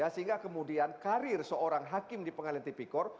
sehingga kemudian karir seorang hakim di pengadilan tipikor